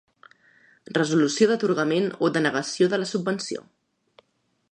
Resolució d'atorgament o denegació de la subvenció.